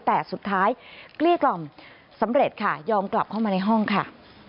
แต่สุดท้ายเกลี้ยกล่อมสำเร็จค่ะยอมกลับเข้ามาในห้องค่ะ